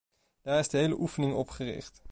Daar is de hele oefening op gericht.